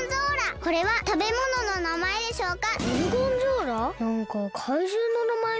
これはたべものの名前でしょうか？